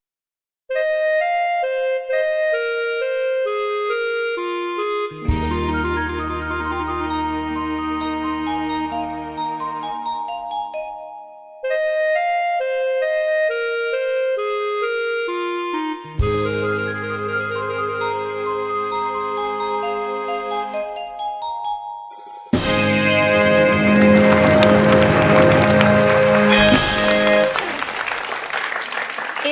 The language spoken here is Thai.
มี่